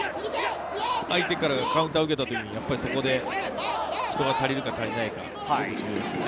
相手からカウンターを受けたときに、そこで人が足りるか足りないか、重要ですよね。